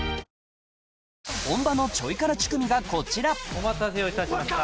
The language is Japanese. お待たせをいたしました。